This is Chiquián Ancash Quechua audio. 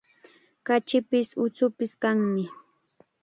Kachipis, uchupis kanmi.